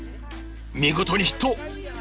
見事にヒット！